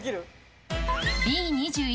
Ｂ２１